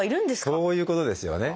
そういうことですよね。